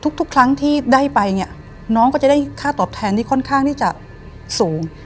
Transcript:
ทุกครั้งที่ได้ไปเนี่ยน้องก็จะได้ค่าตอบแทนที่ค่อนข้างที่จะสูง